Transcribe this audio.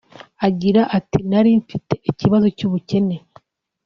Agira ati “Nari mfite ikibazo cy’ubukene